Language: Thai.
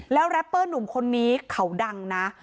แล้วแรปเปอร์หนุ่มคนนี้เขาดังนะ